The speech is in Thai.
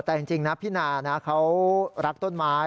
แต่จริงนะพี่นานะเขารักต้นไม้